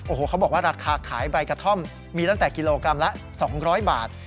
โอ้โหเขาบอกว่าราคาขายใบกระท่อมมีตั้งแต่กิโลกรัมละ๒๐๐บาท